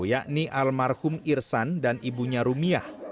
yakni almarhum irsan dan ibunya rumiah